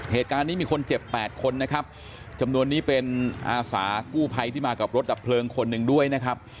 เหตุการณ์นี้มีคนเจ็บ๘คนนะครับจำนวนนี้เป็นอาสากู้ภัยที่มากับรถดับเพลิงคนหนึ่งด้วยนะครับ